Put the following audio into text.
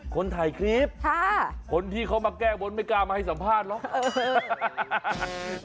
คนถ่ายคลิปคนที่เขามาแก้บนไม่กล้ามาให้สัมภาษณ์หรอก